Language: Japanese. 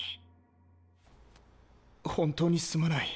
本当にすまない。